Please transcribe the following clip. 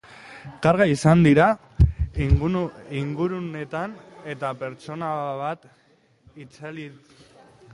Kargak izan dira inguruetan eta pertsona bat atxilotu dute.